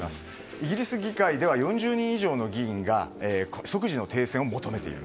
イギリス議会では４０人以上の議員が即時の停戦を求めている。